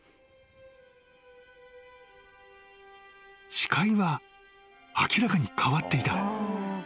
［視界は明らかに変わっていた］